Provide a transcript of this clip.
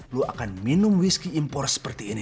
anda akan menikmati whiskey impor seperti ini